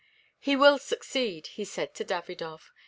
"He will succeed," he said to Davidov.